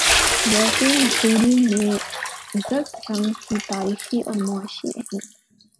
یورپی مصوری میں زرد رنگ کی تاریخی اور معاشی اہمیت